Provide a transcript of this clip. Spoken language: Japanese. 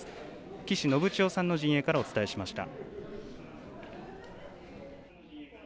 岸信千世さんの陣営からお伝えしました。